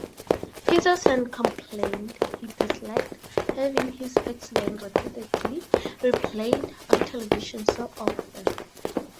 Peterson complained he disliked having his accident repeatedly replayed on television so often.